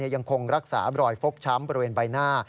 ยังคงรักษารอยฟกช้ำบริเวณใบหน้า